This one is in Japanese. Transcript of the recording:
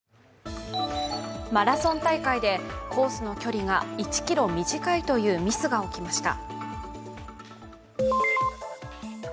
マラソン大会でコースの距離が１ｋｍ短いというミスが起きました。